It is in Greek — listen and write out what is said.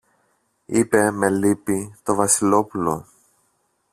είπε με λύπη το Βασιλόπουλο.